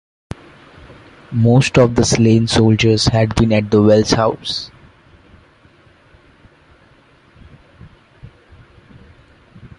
Most of the slain soldiers had been at the Wells house.